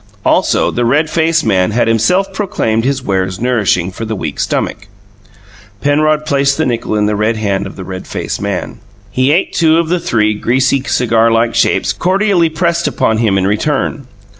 Also, the redfaced man had himself proclaimed his wares nourishing for the weak stummick. Penrod placed the nickel in the red hand of the red faced man. He ate two of the three greasy, cigarlike shapes cordially pressed upon him in return.